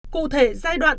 cụ thể giai đoạn